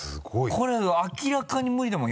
これ明らかに無理だもん